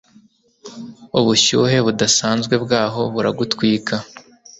ubushyuhe budasanzwe bwaho buragutwika